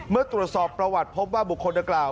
เมื่อตรวจสอบประวัติพบว่าบุคคลดังกล่าว